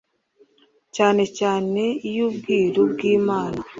cyane cyane iy’Ubwiru bw’I bwami